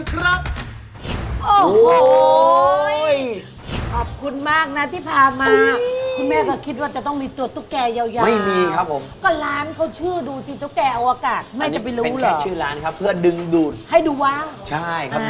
พร้อมลุยลูก